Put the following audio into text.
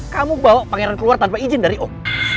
kamu bawa pangeran keluar tanpa izin dari om